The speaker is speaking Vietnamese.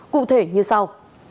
cụ thể như sau